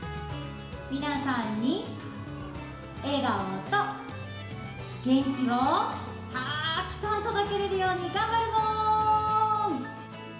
皆さんに笑顔と元気をたくさん届けられるように、頑張るモン！